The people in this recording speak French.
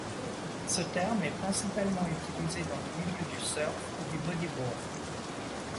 Ce terme est principalement utilisé dans les milieux du surf ou du bodyboard.